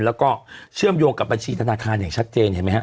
แล้วก็เชื่อมโยงกับบัญชีธนาคารอย่างชัดเจนเห็นไหมฮ